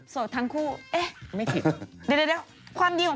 โสดทั้งคู่เอ๊ะเดี๋ยว